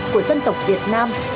của dân tộc việt nam